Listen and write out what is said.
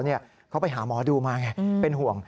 เขาไปหาหมอดูมาไงเป็นห่วง